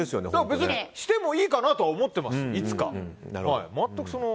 別にしてもいいかなとは思っています、いつかは。